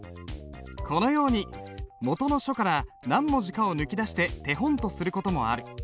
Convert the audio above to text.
このようにもとの書から何文字かを抜き出して手本とする事もある。